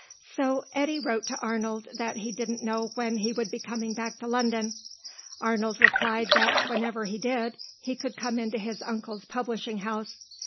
So Eddy wrote to Arnold that he didn't know when he would be coming back to London. Arnold replied that whenever he did he could come into his uncle's publishing house.